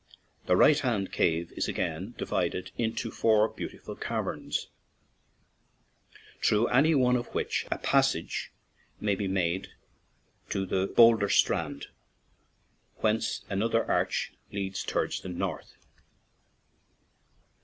The right hand cave is again divided into four beautiful caverns, through any one of which a passage may be made to the bowlder strand, whence another arch leads towards the north.